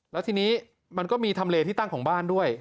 แล้วทีนี้มันก็มีทำเลที่ตั้งของบ้านด้วย